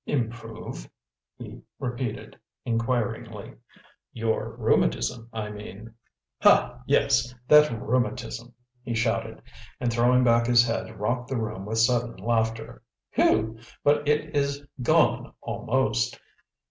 "Improve?" he repeated inquiringly. "Your rheumatism, I mean." "Ha, yes; that rheumatism!" he shouted, and throwing back his head, rocked the room with sudden laughter. "Hew! But it is gone almost!